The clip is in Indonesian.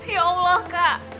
ya allah kak